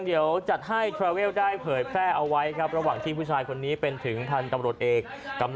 ผู้ชายหัวเค็มขัดอย่างนั้นต้องถอดออกมา